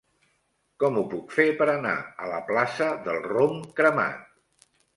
Com ho puc fer per anar a la plaça del Rom Cremat?